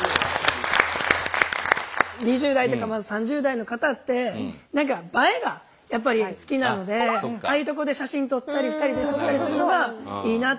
２０代とか３０代の方って何か映えがやっぱり好きなのでああいうとこで写真撮ったり２人で写ったりするのがいいなと思いました。